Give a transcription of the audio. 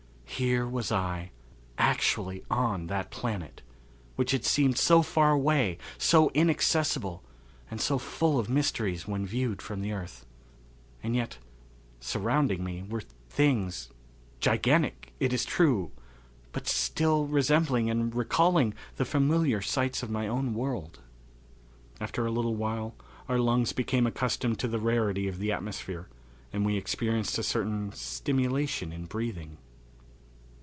Here was I, actually on that planet, which had seemed so far away, so inaccessible, and so full of mysteries when viewed from the earth. And yet, surrounding me, were things gigantic, it is true but still resembling and recalling the familiar sights of my own world. After a little while our lungs became accustomed to the rarity of the atmosphere and we experienced a certain stimulation in breathing.